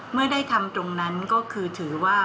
เมื่อได้ทำตรงนั้นก็คือถือว่า